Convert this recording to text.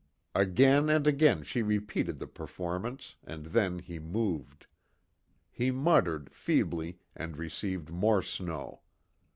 Again and again she repeated the performance, and then he moved. He muttered, feebly, and received more snow.